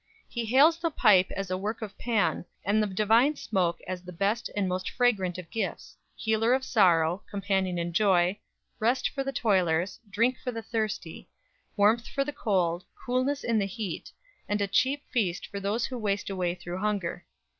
He hails the pipe as the work of Pan, and the divine smoke as the best and most fragrant of gifts healer of sorrow, companion in joy, rest for the toilers, drink for the thirsty, warmth for the cold, coolness in the heat, and a cheap feast for those who waste away through hunger.